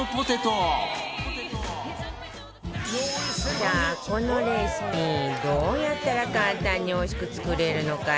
さあこのレシピどうやったら簡単においしく作れるのかしら？